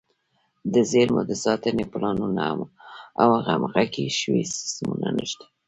د زیرمو د ساتنې پلانونه او همغږي شوي سیستمونه نشته.